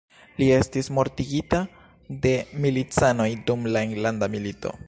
Li estis mortigita de milicanoj dum la enlanda milito.